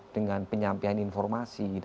dengan penyampaian informasi